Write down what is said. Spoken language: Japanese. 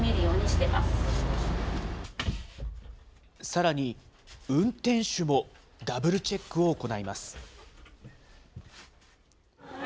さらに運転手もダブルチェックを行います。